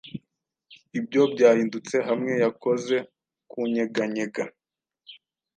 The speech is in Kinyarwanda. Ibyo byahindutse hamwe yakoze kunyeganyega